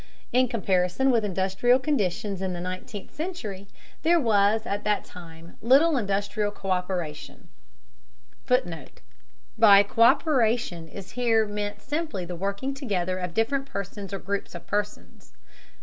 In comparison with industrial conditions in the nineteenth century, there was at that time little industrial co÷peration [Footnote: By co÷peration is here meant simply the working together of different persons or groups of persons.